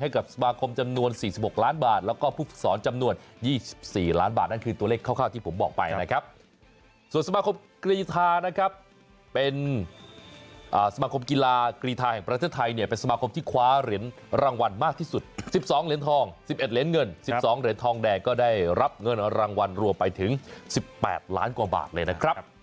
ให้กับสมาคมจำนวน๔๖ล้านบาทแล้วก็ผู้ฝึกสอนจำนวน๒๔ล้านบาทนั่นคือตัวเลขคร่าวที่ผมบอกไปนะครับส่วนสมาคมกรีธานะครับเป็นสมาคมกีฬากรีธาแห่งประเทศไทยเนี่ยเป็นสมาคมที่คว้าเหรียญรางวัลมากที่สุด๑๒เหรียญทอง๑๑เหรียญเงิน๑๒เหรียญทองแดงก็ได้รับเงินรางวัลรวมไปถึง๑๘ล้านกว่าบาทเลยนะครับ